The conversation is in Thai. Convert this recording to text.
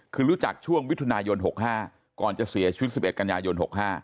คือรู้จักช่วงมิถุนายน๖๕ก่อนจะเสียชีวิต๑๑กันยายน๖๕